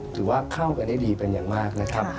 ถือว่าเข้ากันได้ดีเป็นอย่างมากนะครับ